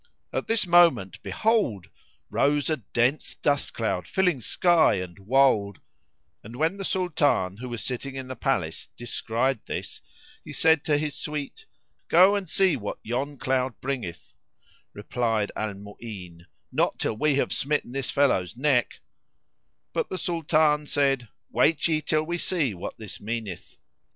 At this moment behold, rose a dense dust cloud filling sky and wold; and when the Sultan, who was sitting in the palace, descried this, he said to his suite, "Go and see what yon cloud bringeth:" Replied Al Mu'ín, "Not till we have smitten this fellow's neck;" but the Sultan said, "Wait ye till we see what this meaneth."